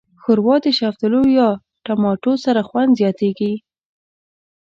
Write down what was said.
ښوروا د شفتالو یا ټماټو سره خوند زیاتیږي.